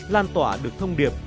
lan tỏa được thông điệp